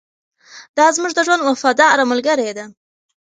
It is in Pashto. دا زموږ د ژوند وفاداره ملګرې ده.